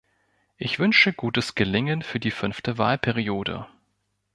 Ich wünsche gutes Gelingen für die fünfte Wahlperiode!